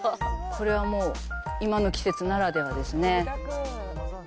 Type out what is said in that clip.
これはもう、今の季節ならではですね。